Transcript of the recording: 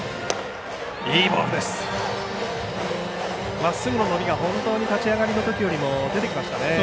まっすぐの伸びが本当に立ち上がりのときより出てきましたね。